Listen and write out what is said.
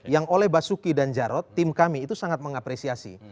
yang oleh basuki dan jarod tim kami itu sangat mengapresiasi